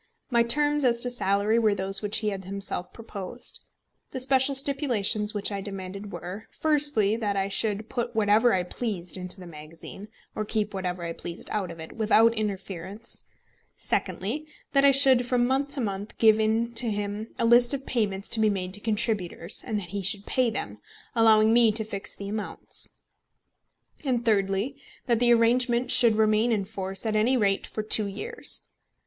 My terms as to salary were those which he had himself proposed. The special stipulations which I demanded were: firstly, that I should put whatever I pleased into the magazine, or keep whatever I pleased out of it, without interference; secondly, that I should from month to month give in to him a list of payments to be made to contributors, and that he should pay them, allowing me to fix the amounts; and thirdly, that the arrangement should remain in force at any rate for two years.